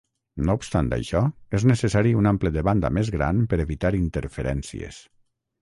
No obstant això, és necessari un ample de banda més gran per evitar interferències.